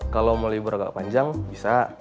kalau mau libur agak panjang bisa